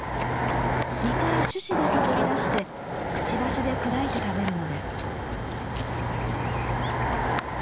実から種子だけ取り出してくちばしで砕いて食べるのです。